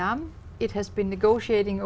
tôi nghĩ chúng tôi sẽ thấy